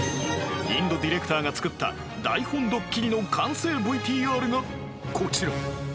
インドディレクターが作った台本どっきりの完成 ＶＴＲ がこちら